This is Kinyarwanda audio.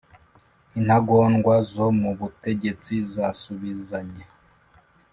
intagondwa zo mu butegetsi zasubizanye